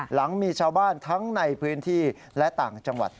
หลังมีชาวบ้านทั้งในพื้นที่และต่างจังหวัด